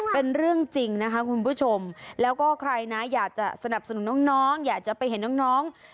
เป็นเรื่องจริงนะคะคุณผู้ชมแล้วก็ใครนะอยากจะสนับสนุนน้องอยากจะไปเห็นน้อง